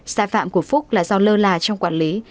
sai phạm của phúc là do lơ là trong quản lý